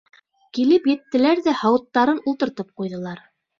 Килеп еттеләр ҙә һауыттарын ултыртып ҡуйҙылар.